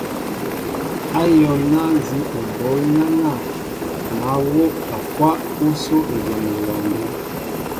Ayólná nzí o ɓoól nánȃ mă wóʼakwáʼ ásó éjem ewándέ.